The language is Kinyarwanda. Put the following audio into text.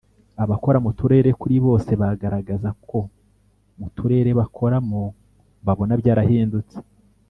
Abakora mu turere kuri bose bagaragaza ko mu turere bakoramo babona byarahindutse